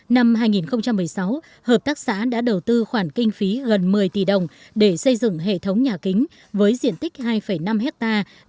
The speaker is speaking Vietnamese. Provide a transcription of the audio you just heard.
năm hai nghìn một mươi sáu hợp tác xã đã đầu tư khoản kinh phí gần một mươi tỷ đồng để xây dựng hệ thống nhà kính với diện tích hai năm hectare